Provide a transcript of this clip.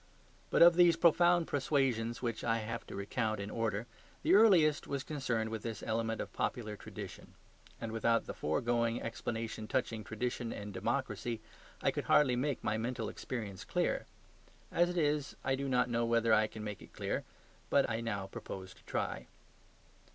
But of these profound persuasions which I have to recount in order, the earliest was concerned with this element of popular tradition. And without the foregoing explanation touching tradition and democracy I could hardly make my mental experience clear. As it is, I do not know whether I can make it clear, but I now propose to try.